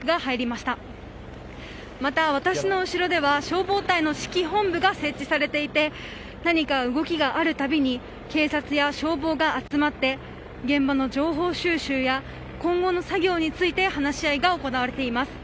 また、私の後ろでは消防隊の指揮本部が設置されていて何か動きがあるたびに警察や消防が集まって現場の情報収集や今後の作業について話し合いが行われています。